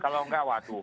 kalau nggak waduh